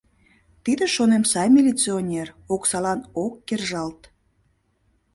Тиде, шонем, сай милиционер, оксалан ок кержалт.